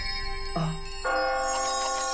あっ。